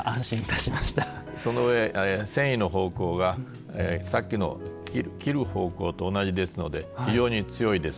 その上繊維の方向がさっきの切る方向と同じですので非常に強いです。